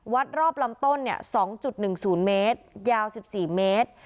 วัดรอบลำต้นเนี่ยสองจุดหนึ่งศูนย์เมตรยาวสิบสี่เมตร